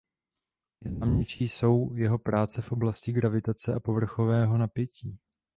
Nejznámější jsou jeho práce v oblasti gravitace a povrchového napětí.